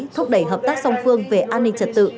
thúc đẩy hợp tác song phương về an ninh trật tự